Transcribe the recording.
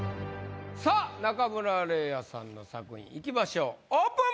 さぁ中村嶺亜さんの作品いきましょうオープン！